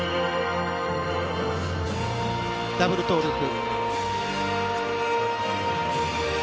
ダブルトウループ。